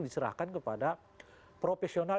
diserahkan kepada profesional